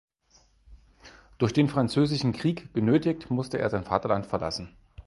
Durch den Französischen Krieg genötigt musste er sein Vaterland verlassen.